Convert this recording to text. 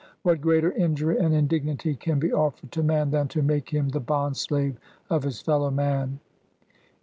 What greater injury and indignity can be offered to man, than to make him the bond slave of his fellow man?